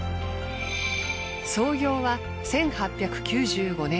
創業は１８９５年。